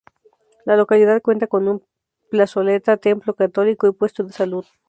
La localidad cuenta con una plazoleta, templo católico y puesto de salud.